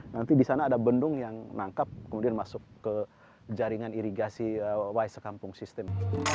nanti di sana ada bendung yang menangkap kemudian masuk ke jaringan irigasi y sekampung system